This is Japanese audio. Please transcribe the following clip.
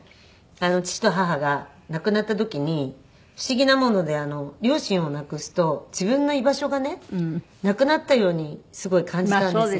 父と母が亡くなった時に不思議なもので両親を亡くすと自分の居場所がねなくなったようにすごい感じたんです。